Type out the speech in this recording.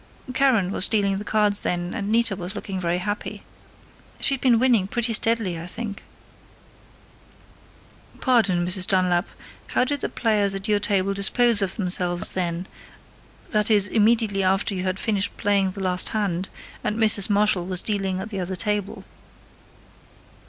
Karen was dealing the cards then, and Nita was looking very happy she'd been winning pretty steadily, I think " "Pardon, Mrs. Dunlap.... How did the players at your table dispose of themselves then that is, immediately after you had finished playing the last hand, and Mrs. Marshall was dealing at the other table?"